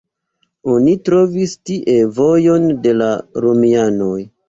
Oni trovis tie vojon de la romianoj.